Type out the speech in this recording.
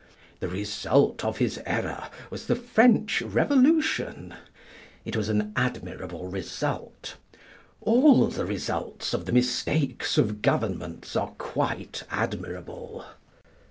The result of his error was the French Revolution. It was an admirable result. All the results of the mistakes of governments are quite admirable.